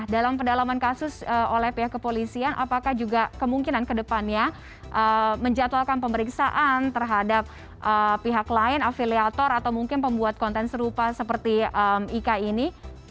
dalam pendalaman kasus oleh pihak kepolisian apakah juga kemungkinan ke depannya menjatuhkan pemeriksaan terhadap pihak lain afiliator atau mungkin pembuat konten serupa seperti ika ini